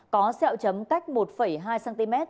có xeo chấm cách một hai cm